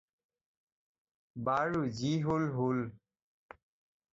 বাৰু যি হ'ল হ'ল।